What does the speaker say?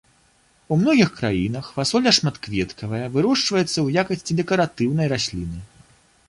У многіх краінах фасоля шматкветкавая вырошчваецца ў якасці дэкаратыўнай расліны.